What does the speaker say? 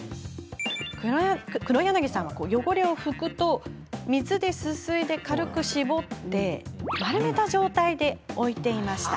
畔柳さんは汚れを拭くと水で、すすいで軽く絞り丸めた状態で置いていました。